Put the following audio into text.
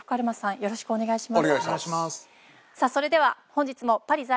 よろしくお願いします。